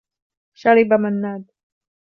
شرب منّاد.